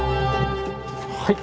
はい。